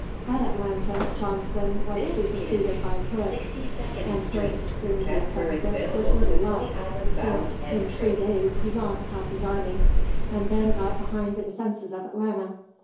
At Atlanta, Johnston was superseded by Hood, and Hood assumed the offensive with little luck, since in three days he lost half his army, and then got behind the defences of Atlanta.